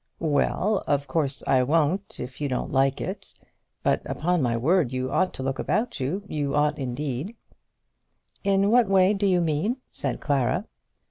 "Well; of course I won't, if you don't like it; but upon my word you ought to look about you; you ought indeed." "In what way do you mean?" said Clara.